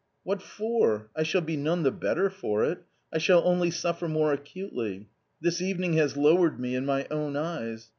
"What for? I shall be none the better for it. I shall only suffer more acutely. This evening has lowered me in my own eyes.